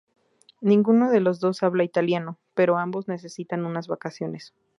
Ninguno de los dos habla italiano, pero ambos necesitan unas vacaciones.